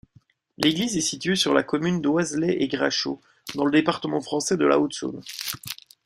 L'église est située sur la commune d'Oiselay-et-Grachaux, dans le département français de la Haute-Saône.